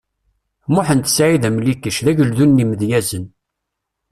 Muḥend Saɛid Amlikec, d ageldun n yimedyazen.